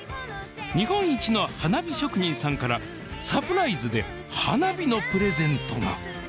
日本一の花火職人さんからサプライズで花火のプレゼントが！